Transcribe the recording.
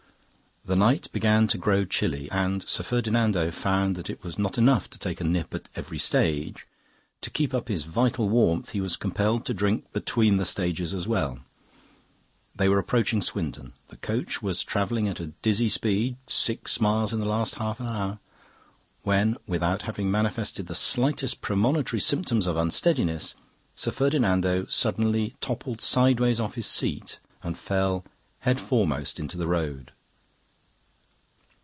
The night began to grow chilly, and Sir Ferdinando found that it was not enough to take a nip at every stage: to keep up his vital warmth he was compelled to drink between the stages as well. They were approaching Swindon. The coach was travelling at a dizzy speed six miles in the last half hour when, without having manifested the slightest premonitory symptom of unsteadiness, Sir Ferdinando suddenly toppled sideways off his seat and fell, head foremost, into the road.